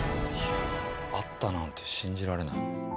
あったなんて信じられない。